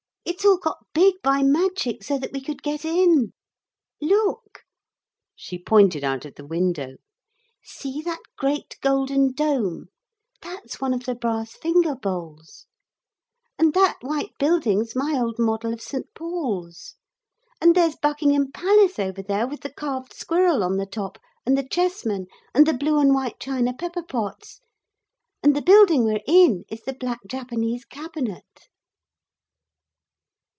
It's all got big by magic, so that we could get in. Look,' she pointed out of the window, 'see that great golden dome, that's one of the brass finger bowls, and that white building's my old model of St. Paul's. And there's Buckingham Palace over there, with the carved squirrel on the top, and the chessmen, and the blue and white china pepper pots; and the building we're in is the black Japanese cabinet.'